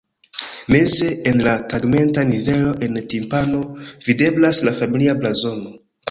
Meze en la tegmenta nivelo en timpano videblas la familia blazono.